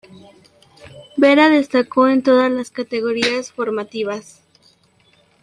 Vera destacó en todas las categorías formativas.